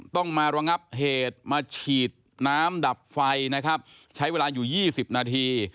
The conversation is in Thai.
ต้องมาระงับเหตุมาฉีดน้ำดับไฟนะครับใช้เวลาอยู่๒๐นาที